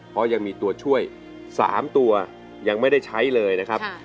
เพราะยังมีตัวช่วย๓ตัวยังไม่ได้ใช้เลยนะครับ